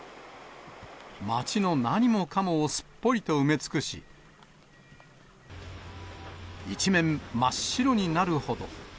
街の何もかもをすっぽりと埋め尽くし、一面、真っ白になるほど。